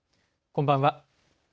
こんばんは。